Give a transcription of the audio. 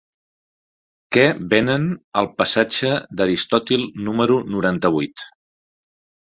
Què venen al passatge d'Aristòtil número noranta-vuit?